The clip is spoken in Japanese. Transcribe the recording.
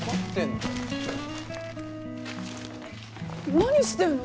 何してんの？